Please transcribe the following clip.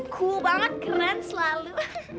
cool banget keren selalu